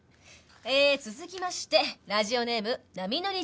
ええ続きましてラジオネーム「波乗りチェリー」さん。